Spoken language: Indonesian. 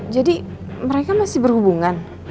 jadi mereka masih berhubungan